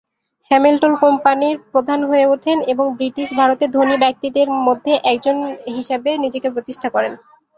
Hamilton কোম্পানির প্রধান হয়ে ওঠেন এবং ব্রিটিশ ভারতে ধনী ব্যক্তিদের মধ্যে একজন হিসাবে নিজেকে প্রতিষ্ঠা করেন।